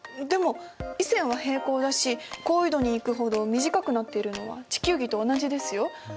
でも緯線は平行だし高緯度に行くほど短くなっているのは地球儀と同じですよ。